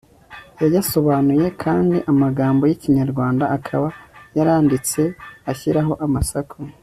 yayasobanuye kandi amagambo y'ikinyarwanda akaba yarayanditse ashyiraho amasaku